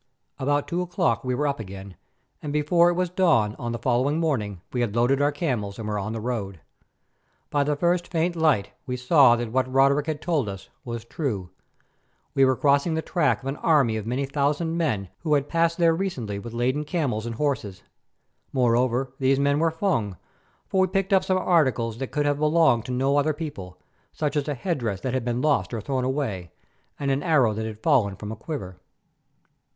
About two o'clock we were up again and before it was dawn on the following morning we had loaded our camels and were on the road. By the first faint light we saw that what Roderick had told us was true. We were crossing the track of an army of many thousand men who had passed there recently with laden camels and horses. Moreover, those men were Fung, for we picked up some articles that could have belonged to no other people, such as a head dress that had been lost or thrown away, and an arrow that had fallen from a quiver.